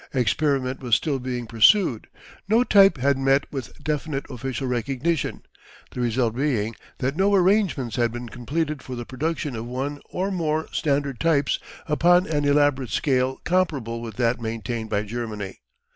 Experiment was still being pursued: no type had met with definite official recognition, the result being that no arrangements had been completed for the production of one or more standard types upon an elaborate scale comparable with that maintained by Germany.